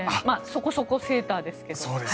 そこそこセーターですけど。